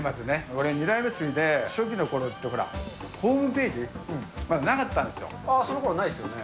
俺、２代目継いで、初期のころってほら、ホームページ、なかったそのころないですよね。